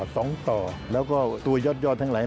สองต่อแล้วก็ตัวยอดทั้งหลาย